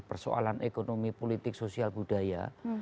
persoalan ekonomi politik sosial budaya